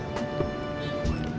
tidak ada yang bisa dihukum